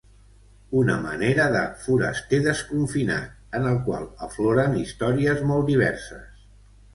Una manera de ‘Foraster desconfinat’ en el qual afloren històries molt diverses.